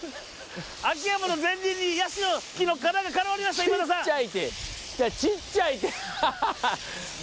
秋山の前輪にヤシの木の皮が絡まりました今田さん。